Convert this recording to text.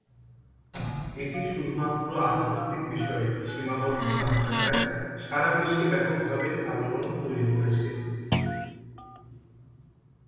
এটি শুধুমাত্র আধ্যাত্মিক বিষয়ে সীমাবদ্ধ না থাকায় সারা বিশ্বে ব্যাপক ভাবে আলোড়ন তৈরি করেছে।